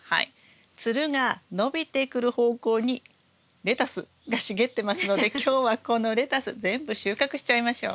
つるが伸びてくる方向にレタスが茂ってますので今日はこのレタス全部収穫しちゃいましょう。